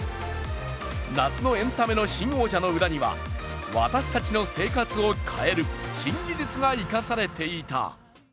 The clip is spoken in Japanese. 夏のエンタメの新王者の裏には、私たちの生活を変える新技術が生かされていた。